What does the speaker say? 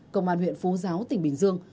công an huyện phú giáo tỉnh bình dương